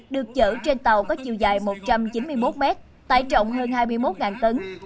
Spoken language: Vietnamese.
được chở trên tàu có chiều dài một trăm chín mươi một mét tải trọng hơn hai mươi một tấn